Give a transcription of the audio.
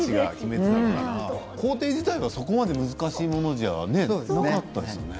工程自体はそこまで難しいものではなかったですよね。